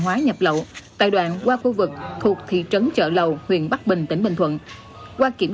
hóa nhập lậu tại đoạn qua khu vực thuộc thị trấn chợ lầu huyện bắc bình tỉnh bình thuận qua kiểm